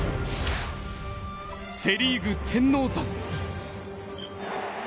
セ・リーグ天王山。